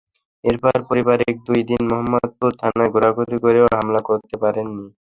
এরপর পরিবারটি দুই দিন মোহাম্মদপুর থানায় ঘোরাঘুরি করেও মামলা করতে পারেনি।